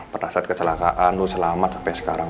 pernah saat kecelakaan lo selamat sampe sekarang